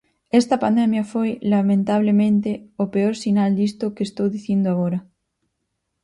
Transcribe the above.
Esta pandemia foi, lamentablemente, o peor sinal disto que estou dicindo agora.